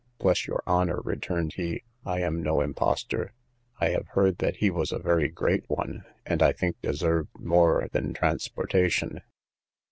Bless your honour, returned he, I am no impostor; I have heard that he was a very great one, and I think deserved more than transportation.